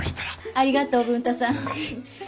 ありがとう文太さん。